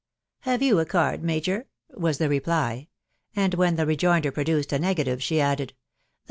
" Have you a card, major?" was the reply; and when the rejoinder produced a negative, she added,—" TOaen